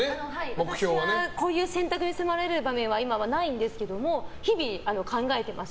私はこういう選択に迫られる番組は今はないんですけれども日々、考えています。